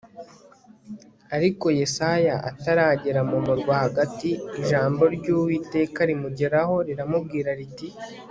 ariko yesaya ataragera mu murwa hagati, ijambo ry'uwiteka rimugeraho riramubwira riti